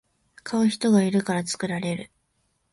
買う人がいるから作られる